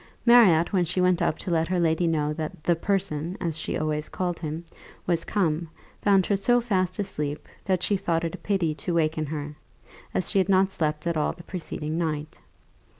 Marriott, when she went up to let her lady know that the person, as she always called him, was come, found her so fast asleep that she thought it a pity to waken her, as she had not slept at all the preceding night.